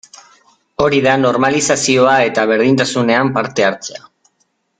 Hori da normalizazioa eta berdintasunean parte hartzea.